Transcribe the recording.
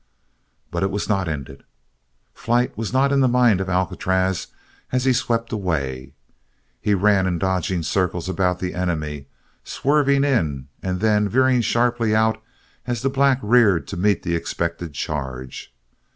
But it was not ended! Flight was not in the mind of Alcatraz as he swept away. He ran in dodging circles about the enemy, swerving in and then veering sharply out as the black reared to meet the expected charge.